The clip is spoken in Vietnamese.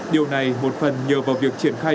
điều này một phần nhờ vào việc triển khai